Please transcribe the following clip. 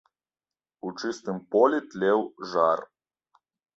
У чыстым полі тлеў жар.